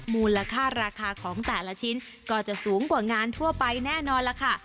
มูลค่าราคาของแต่ละชิ้นก็จะสูงกว่างานทั่วไปแน่นอนล่ะค่ะ